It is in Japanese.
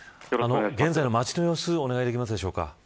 現在の町の様子お願いできますでしょうか。